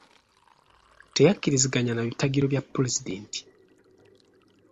Teyakkiriziganya na bitagiro bya pulezidenti.